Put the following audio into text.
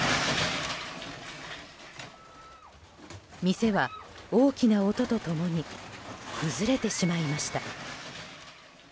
店は大きな音と共に崩れてしまいました。